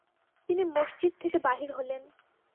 তিনি মসজিদ থেকে বাহির হলেন ।